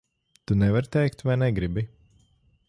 Tu nevari teikt vai negribi?